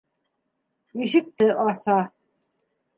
Ишекте аса.